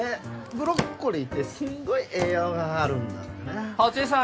ブロッコリーってすんごい栄養があるんだってねハツエさん